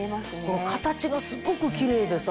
形がすごくキレイでさ。